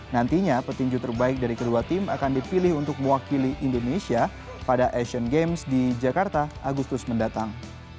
nantinya petinju terbaik dari kedua tim akan dipilih untuk mewakili indonesia pada asian games di jakarta agustus mendatang